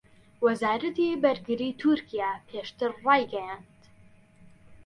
وەزارەتی بەرگریی تورکیا پێشتر ڕایگەیاند